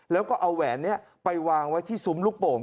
แล้วก็เอาแหวนนี้ไปวางไว้ที่ซุ้มลูกโป่ง